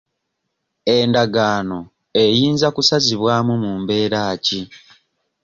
Endagaano eyinza kusazibwamu mu mbeera ki?